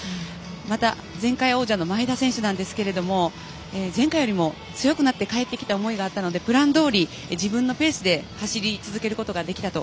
また、前回王者の前田選手ですが前回よりも強くなって帰ってきた思いがあったのでプランどおり自分のペースで走り続けることができたと。